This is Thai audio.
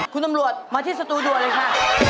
คุณตำรวจมาที่สตูดิวเลยค่ะ